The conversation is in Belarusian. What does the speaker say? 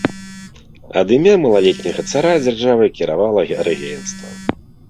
Ад імя малалетняга цара дзяржавай кіравала рэгенцтва.